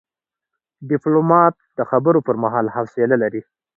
ډيپلومات د خبرو پر مهال حوصله لري.